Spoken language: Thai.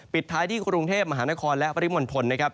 ปิดท้ายที่กรุงเทพมหานครและปริมณฑลนะครับ